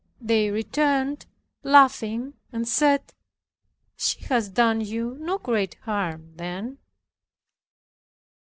They returned, laughing, and said, "She has done you no great harm then."